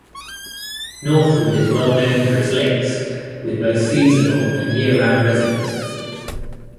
Northwood is well known for its lakes, with both seasonal and year-round residences.